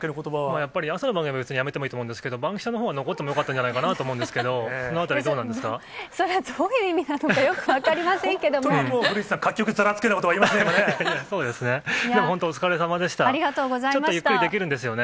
やっぱり朝の番組は辞めてもいいと思うんですけど、バンキシャのほうは残ってもよかったんじゃないかなと思うんですけど、それはどういう意味なのか、古市さん、各局ざわつくようなことを言いますよね。